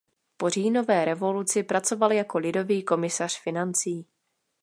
Po říjnové revoluci pracoval jako lidový komisař financí.